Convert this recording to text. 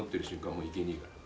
もう行けねえから。